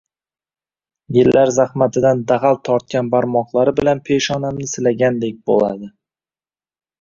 Yillar zahmatidan dag‘al tortgan barmoqlari bilan peshonamni silagandek bo‘ladi.